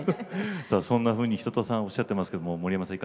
そんなふうに一青さんおっしゃってますけども森山さん